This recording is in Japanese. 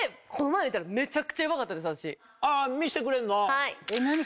はい。